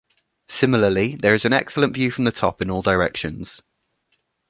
Similarly, there is an excellent view from the top in all directions.